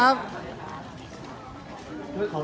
สวัสดีครับ